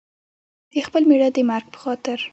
د خپل مېړه د مرګ په خاطر.